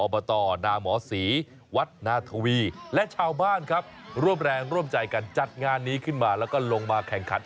บตนาหมอศรีวัดนาธวีและชาวบ้านครับร่วมแรงร่วมใจกันจัดงานนี้ขึ้นมาแล้วก็ลงมาแข่งขัน